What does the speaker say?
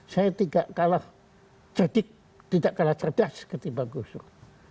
saya tidak kalah cerdik tidak kalah cerdas ketimbang gusdur